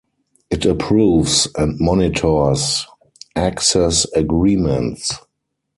It approves and monitors 'access agreements'.